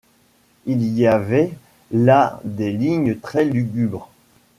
Il y avait là des lignes très lugubres.